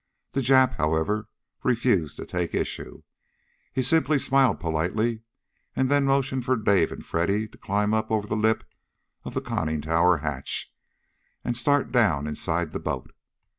The Jap, however, refused to take issue. He simply smiled politely and then motioned for Dave and Freddy to climb over the lip of the conning tower hatch and start down inside the boat.